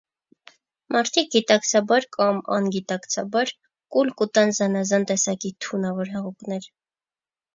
Մարդիկ գիտակցաբար կամ անգիտակցաբար կուլ կու տան զանազան տեսակի թունաւոր հեղուկներ։